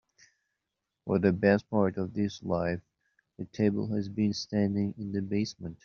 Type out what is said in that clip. For the best part of its life, the table has been standing in the basement.